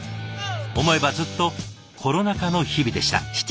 思えばずっとコロナ禍の日々でした。